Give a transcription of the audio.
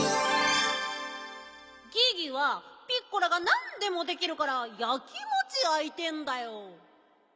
ギギはピッコラがなんでもできるからやきもちやいてんだよ。